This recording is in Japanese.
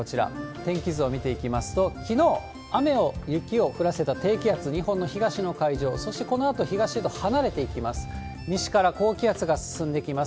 天気図を見ていきますと、きのう、雨や雪を降らせた低気圧、日本の東の海上、そしてこのあと、東へと離れていきます。